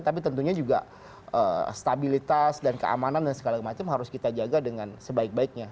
tapi tentunya juga stabilitas dan keamanan dan segala macam harus kita jaga dengan sebaik baiknya